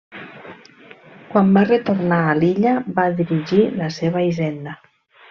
Quan va retornar a l'illa, va dirigir la seva hisenda.